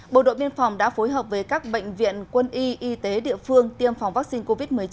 bộ đội biên phòng đã phối hợp với các bệnh viện quân y y tế địa phương tiêm phòng vaccine covid một mươi chín